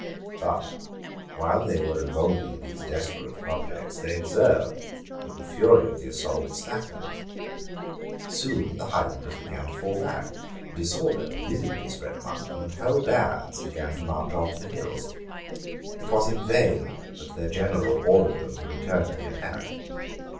But, while they were revolving these desperate projects, they observed that the fury of the assault slackened. Soon the highlanders began to fall back: disorder visibly spread among them; and whole bands began to march off to the hills. It was in vain that their general ordered them to return to the attack.